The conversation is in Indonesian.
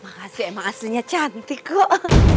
makasih emang aslinya cantik kok